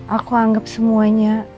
aku anggap semuanya